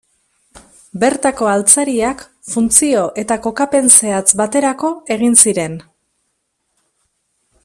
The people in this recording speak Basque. Bertako altzariak funtzio eta kokapen zehatz baterako egin ziren.